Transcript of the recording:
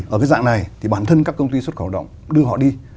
ở cái dạng này thì bản thân các công ty xuất khẩu động đưa họ đi